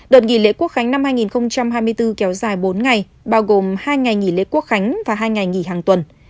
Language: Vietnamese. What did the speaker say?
đợt nghỉ lễ quốc khánh năm hai nghìn hai mươi bốn kéo dài bốn ngày bao gồm hai ngày nghỉ lễ quốc khánh và hai ngày nghỉ hàng tuần